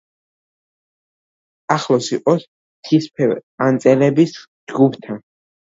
ახლოს იყოს ცისფერყანწელების ჯგუფთან.